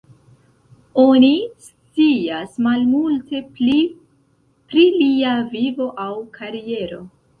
Oni scias malmulte pli pri lia vivo aŭ kariero.